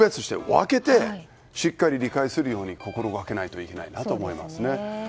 分けて、しっかり理解するように心掛けないといけないなと思いますね。